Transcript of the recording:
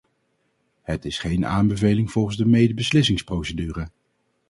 Het is geen aanbeveling volgens de medebeslissingsprocedure.